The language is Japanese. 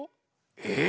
えっ？